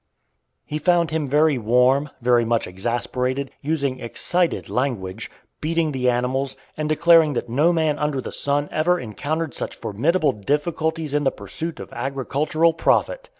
He found him very warm, very much exasperated, using excited language, beating the animals, and declaring that no man under the sun ever encountered such formidable difficulties in the pursuit of agricultural profit.